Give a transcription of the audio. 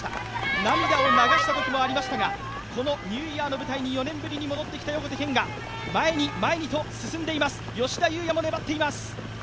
涙を流したときもありましたがこのニューイヤーの舞台に４年ぶりに戻ってきた横手健が前に前にと進んでいます、吉田祐也も粘っています。